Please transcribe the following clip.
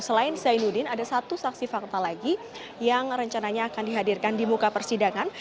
selain zainuddin ada satu saksi fakta lagi yang rencananya akan dihadirkan di muka persidangan